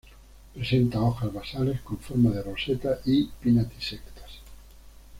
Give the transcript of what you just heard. Presenta hojas basales con forma de roseta y pinnatisectas.